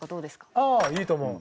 ああいいと思う。